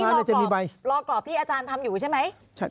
รอกรอบที่อาจารย์ทำอยู่ใช่ไหม